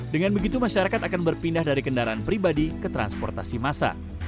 dengan begitu masyarakat akan berpindah dari kendaraan pribadi ke transportasi massa